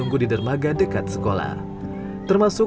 pada bertahan di cultures